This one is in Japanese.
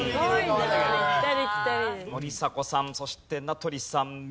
森迫さんそして名取さん宮さん。